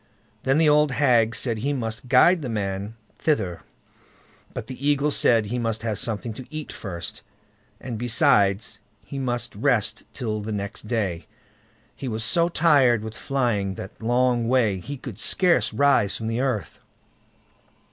Then the old hag said he must guide the man thither; but the eagle said he must have something to eat first, and besides he must rest till the next day; he was so tired with flying that long way, he could scarce rise from the earth.